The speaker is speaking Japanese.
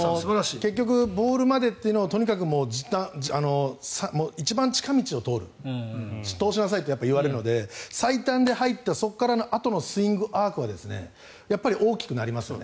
結局ボールまでというのを一番近道を通しなさいと言われるので、最短で入ってそのあとのスイングアークは大きくなりますよね。